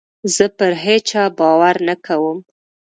زه پر هېچا باور نه کوم.